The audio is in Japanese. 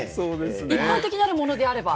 一般的にあるものであれば。